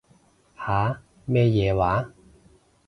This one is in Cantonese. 吓？咩嘢話？